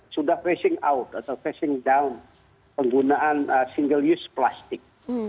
sudah facing out atau facing down penggunaan single use plastik